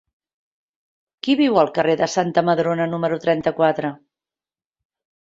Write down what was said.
Qui viu al carrer de Santa Madrona número trenta-quatre?